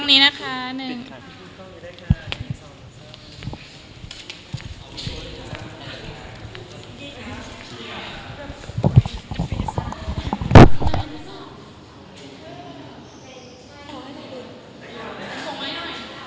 อีกทีหนึ่งนะคะตรงนี้นะคะ